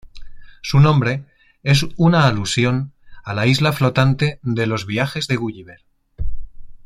Su nombre es una alusión a la isla flotante de Los viajes de Gulliver.